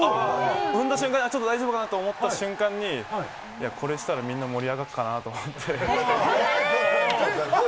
踏んだ瞬間にちょっと大丈夫かなと思った瞬間に、これしたらみんな盛り上がるかなと思って。